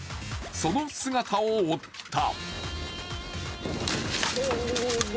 その姿を追った。